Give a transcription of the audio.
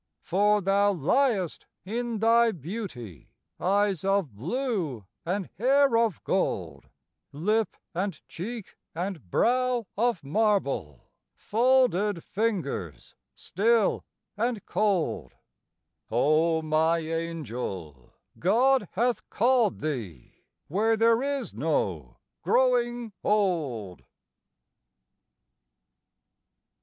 For thou liest in thy beauty, Eyes of blue and hair of gold, Lip and cheek and brow of marble, Folded fingers, still and cold; O my angel, God hath called thee Where there is no growing old.